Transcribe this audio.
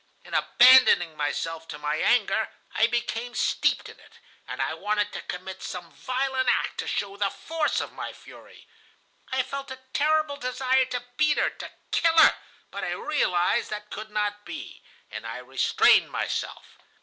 "In abandoning myself to my anger, I became steeped in it, and I wanted to commit some violent act to show the force of my fury. I felt a terrible desire to beat her, to kill her, but I realized that that could not be, and I restrained myself.